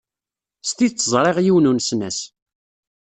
S tidet ẓriɣ yiwen unesnas.